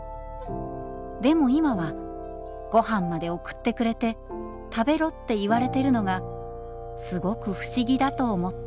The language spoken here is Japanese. でも今はごはんまで送ってくれて食べろって言われてるのがすごく不思議だと思った」。